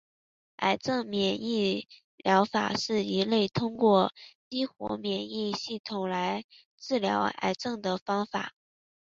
癌症免疫疗法是一类通过激活免疫系统来治疗癌症的方法。